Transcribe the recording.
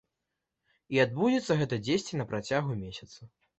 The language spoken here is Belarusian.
І адбудзецца гэта дзесьці на працягу месяца.